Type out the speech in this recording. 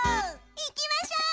いきましょう！